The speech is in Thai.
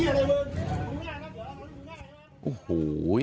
โอ้โห